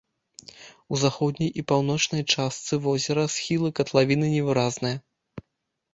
У заходняй і паўночнай частцы возера схілы катлавіны невыразныя.